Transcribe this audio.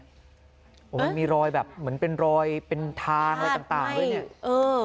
มันมีรอยแบบเหมือนเป็นรอยเป็นทางอะไรต่างดูนี่